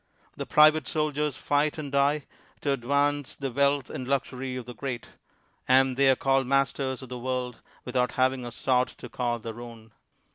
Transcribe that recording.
The private soldiers fight and die, to advance the wealth and luxury of the great; and they are called masters of the world, without having a sod to call their own.